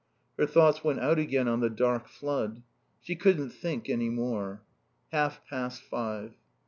Her thoughts went out again on the dark flood. She couldn't think any more. Half past five.